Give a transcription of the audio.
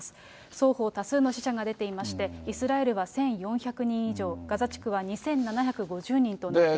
双方、多数の死者が出ていまして、イスラエルは１４００人以上、ガザ地区は２７５０人となっています。